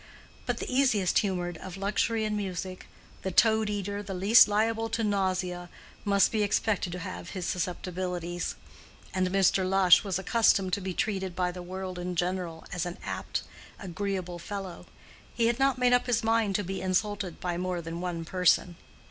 But the easiest humored of luxury and music, the toad eater the least liable to nausea, must be expected to have his susceptibilities. And Mr. Lush was accustomed to be treated by the world in general as an apt, agreeable fellow: he had not made up his mind to be insulted by more than one person.